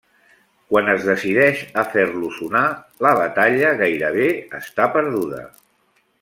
Quan es decideix a fer-lo sonar, la batalla gairebé està perduda.